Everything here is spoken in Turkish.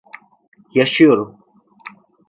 Yaşıyorum.